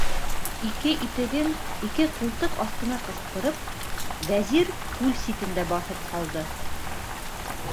Ике итеген ике ҡултыҡ аҫтына ҡыҫтырып, Вәзир күл ситендә баҫып ҡалды.